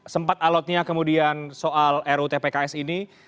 sempat alotnya kemudian soal rutpks ini